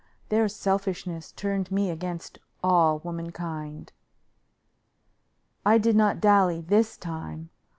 Their selfishness turned me against all womankind. I did not dally this time.